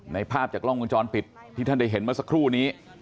ในภาพจากล่องกระจอนปิดที่ท่านได้เห็นมาสักครู่นี้